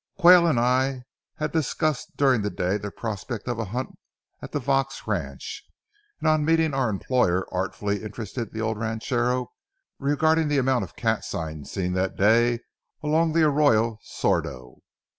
Quayle and I had discussed during the day the prospect of a hunt at the Vaux ranch, and on meeting our employer, artfully interested the old ranchero regarding the amount of cat sign seen that day along the Arroyo Sordo.